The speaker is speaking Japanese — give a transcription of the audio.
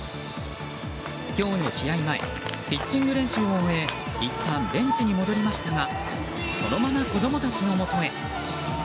今日の試合前ピッチング練習を終えいったんベンチに戻りましたがそのまま子供たちのもとへ。